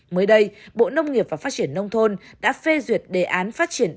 mới đây bộ nông nghiệp và phát triển nông thôn đã phê duyệt đề án phát triển